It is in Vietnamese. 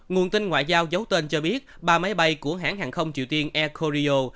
nguồn tin ngoại giao giấu tên cho biết ba máy bay của hãng hàng không triều tiên air korrio